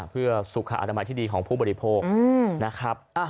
เพื่อสุขอนามัยที่ดีของผู้บริโภคนะครับ